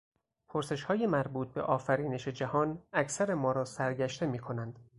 پرسشهای مربوط به آفرینش جهان اکثر ما را سرگشته میکنند.